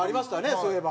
そういえば。